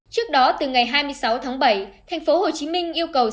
trước đó từ ngày hai mươi sáu tháng bảy thành phố hồ chí minh yêu cầu